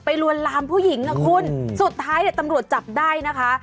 ลวนลามผู้หญิงนะคุณสุดท้ายเนี่ยตำรวจจับได้นะคะ